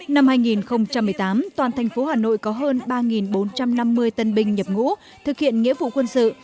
năm hai nghìn một mươi tám toàn thành phố hà nội có hơn ba bốn trăm năm mươi tân binh nhập ngũ thực hiện nghĩa vụ quân sự